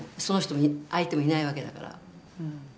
その人に相手もいないわけだから。